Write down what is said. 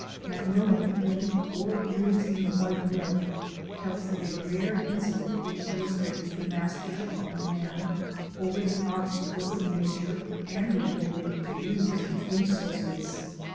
MacMillan, in "Four Years in the White North," tells of a rare incident which illustrates the mastership of man over the obstacles of nature and the ability to use its resources.